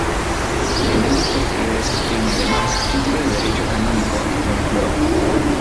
En años posteriores obtiene, además, títulos de Derecho Canónico y Folclore.